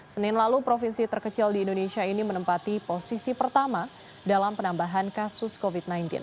senin lalu provinsi terkecil di indonesia ini menempati posisi pertama dalam penambahan kasus covid sembilan belas